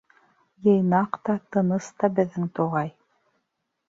Йыйнаҡ та, тыныс та беҙҙең туғай.